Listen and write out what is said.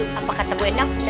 setuju apa kata bu endang